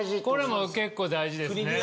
これも結構大事ですね。